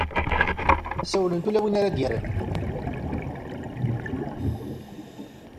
ssawlent ula win ara ad-yerren